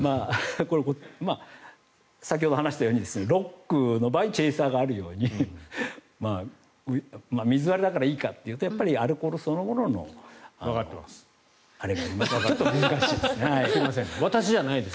先ほど話したようにロックの場合チェイサーがあるように水割りだからいいかというとやっぱりアルコールそのもののあれがありますので。